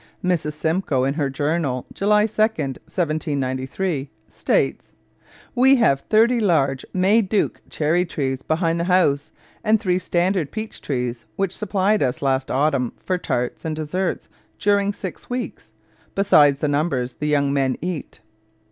Mrs Simcoe, in her Journal, July 2, 1793, states: 'We have thirty large May Duke cherry trees behind the house and three standard peach trees which supplied us last Autumn for tarts and desserts during six weeks, besides the numbers the young men eat.'